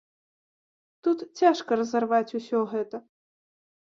Тут цяжка разарваць усё гэта.